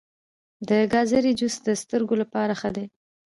د ګازرې جوس د سترګو لپاره ښه دی.